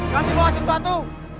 kami bawa sesuatu